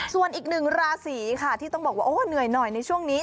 ส่วนอีกหนึ่งราศีค่ะที่ต้องบอกว่าโอ้เหนื่อยหน่อยในช่วงนี้